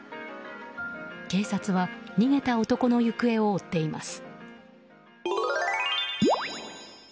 警察は逃げた男の行方を追っています。